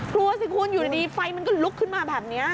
กลัวสิอยู่ในนี้ไฟมันรุกขึ้นมาแบบนี้